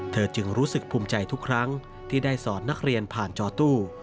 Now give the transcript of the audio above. จึงรู้สึกภูมิใจทุกครั้งที่ได้สอนนักเรียนผ่านจอตู้